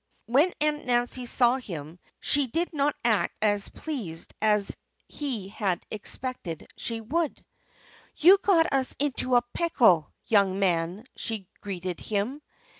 When Aunt Nancy saw him she did not act half as pleased as he had expected she would. "You got us into a pickle, young man!" she greeted him.